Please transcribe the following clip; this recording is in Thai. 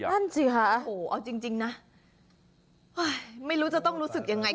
ไม่รู้ว่าจะต้องรู้อย่างไรเลย